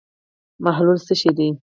محلول څه شی دی.